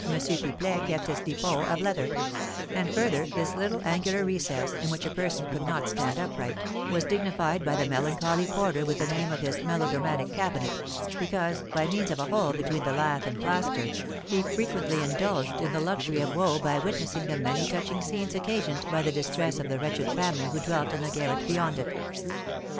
Pipelet kept his dépôt of leather; and, further, this little angular recess, in which a person could not stand upright, was dignified by the melancholy porter with the name of his Melodramatic Cabinet, because, by means of a hole between the lath and plaster, he frequently indulged in the luxury of woe by witnessing the many touching scenes occasioned by the distress of the wretched family who dwelt in the garret beyond it.